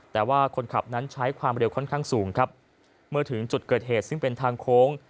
แต่ว่าคนขับนั้นใช้ความเร็วค่อนข้างสูงครับเมื่อถึงจุดเกิดเหตุซึ่งเป็นทางโค้ง